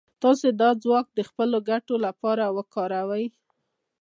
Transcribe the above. تاسې دا ځواک د خپلو ګټو لپاره وکاروئ.